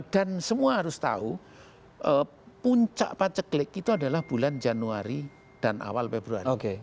semua harus tahu puncak paceklik itu adalah bulan januari dan awal februari